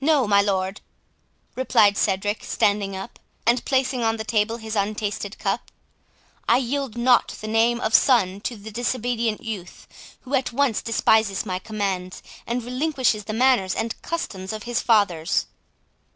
"No, my lord," replied Cedric, standing up, and placing on the table his untasted cup, "I yield not the name of son to the disobedient youth, who at once despises my commands, and relinquishes the manners and customs of his fathers."